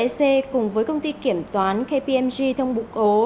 lên đoàn tuyển dụng và việc làm rec cùng với công ty kiểm toán kpmg thông bụng ố